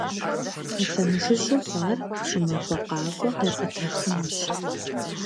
Пхъэ лъэмыжыжьу хъуар, щӏымахуэ къакӏуэ къекъутэхынущ.